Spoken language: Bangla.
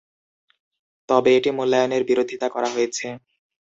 তবে এই মূল্যায়নের বিরোধিতা করা হয়েছে।